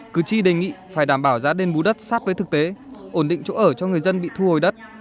cử tri đề nghị phải đảm bảo giá đen bú đất sát với thực tế ổn định chỗ ở cho người dân bị thu hồi đất